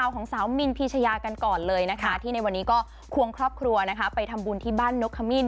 ของสาวมินพีชยากันก่อนเลยนะคะที่ในวันนี้ก็ควงครอบครัวไปทำบุญที่บ้านนกขมิ้น